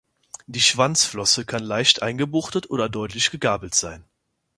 Die Schwanzflosse kann leicht eingebuchtet oder deutlich gegabelt sein.